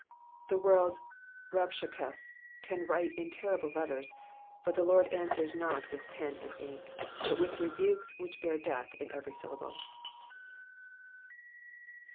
The worhl's Rabshakahs can write tei rible letteis, but the Lord answers not with pen and ink, but with rebukes, which bear death in every syllable.